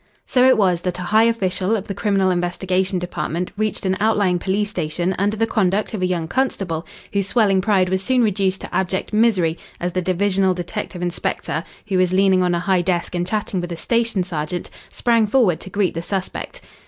So it was that a high official of the Criminal Investigation Department reached an outlying police station under the conduct of a young constable whose swelling pride was soon reduced to abject misery as the divisional detective inspector, who was leaning on a high desk and chatting with a station sergeant, sprang forward to greet the suspect.